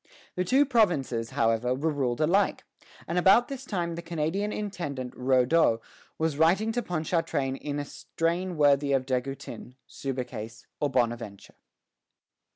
The two provinces, however, were ruled alike; and about this time the Canadian Intendant Raudot was writing to Ponchartrain in a strain worthy of De Goutin, Subercase, or Bonaventure.